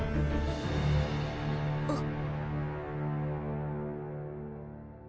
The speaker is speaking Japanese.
あっ。